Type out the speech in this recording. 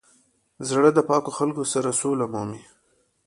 زړه د پاکو خلکو سره سوله مومي.